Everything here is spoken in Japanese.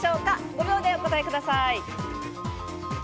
５秒でお答えください。